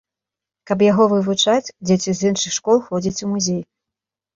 Каб яго вывучаць, дзеці з іншых школ ходзяць у музей.